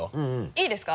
いいですか？